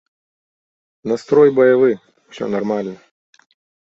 Настрой баявы, усё нармальна.